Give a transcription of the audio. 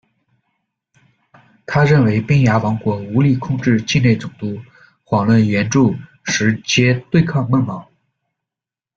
他认为彬牙王国无力控制境内总督，遑论援助实皆对抗孟卯。